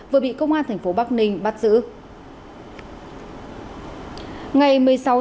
vừa bị công an tp bắc ninh bắt giữ